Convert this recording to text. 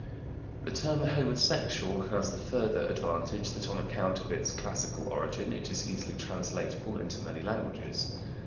The term "homosexual" has the further advantage that on account of its classical origin it is easily translatable into many languages.